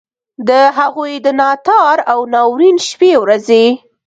د هغوی د ناتار او ناورین شپې ورځي.